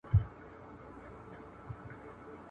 سیاسي استازي د سولي پیغام وړي.